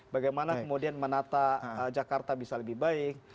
bagaimana kemudian menata jakarta bisa lebih baik